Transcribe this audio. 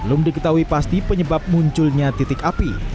belum diketahui pasti penyebab munculnya titik api